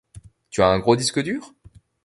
Tu as un gros disque dur ?